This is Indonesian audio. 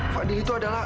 fadil itu adalah